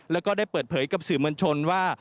แล้วก็ได้เปิดเผยกับสื่อมวลชนว่า